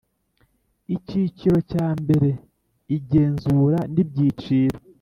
Icyiciro cya mbere Igenzura n ibyiciro